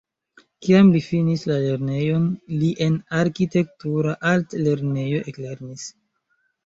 Kiam li finis la lernejon li en arkitektura altlernejo eklernis.